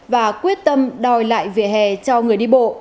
và quyết tâm đòi lại vỉa hè cho người đi bộ